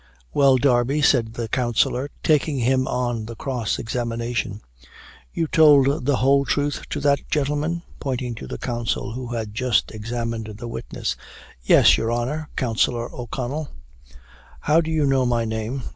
"Well, Darby," said the Counsellor, taking him on the cross examination, "you told the whole truth to that gentleman?" pointing to the counsel who had just examined the witness. "Yes, your honor, Counsellor O'Connell." "How, do you know my name?"